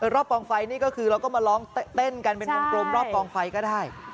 รอบกองไฟนี่ก็คือเราก็มาร้องเต้นกันเป็นวงกลมรอบกองไฟก็ได้